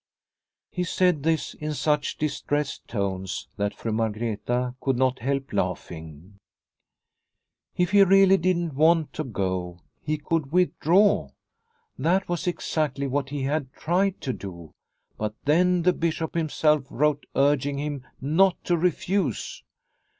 He said this in such distressed tones that Fru Margreta could not help laughing. The Pastor from Finland 157 If he really didn't want to go, he could with draw. That was exactly what he had tried to do, but then the bishop himself wrote urging him not to refuse.